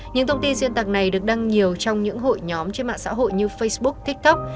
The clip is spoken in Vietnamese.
những thông tin xuyên tạc này được đăng nhiều trong những hội nhóm trên mạng xã hội như facebook tiktok